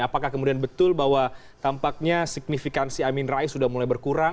apakah kemudian betul bahwa tampaknya signifikansi amin rais sudah mulai berkurang